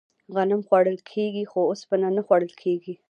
غنم خوړل کیږي خو اوسپنه نه خوړل کیږي.